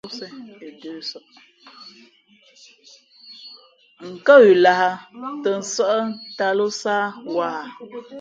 N kάghʉ lahā tᾱ nsάʼ ntāt lō sáá wāha ?